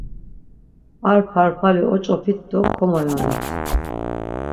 Ar parpali oç̌opit do komoyonit.